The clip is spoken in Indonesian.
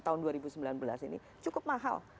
tahun dua ribu sembilan belas ini cukup mahal